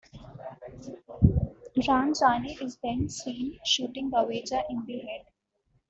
Ram Jaane is then seen shooting Baweja in the head.